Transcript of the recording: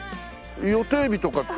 予定日とか。